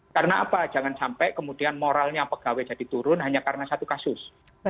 karena apa jangan sampai kemudian moralnya pegawai jadi turun hanya karena satu kasus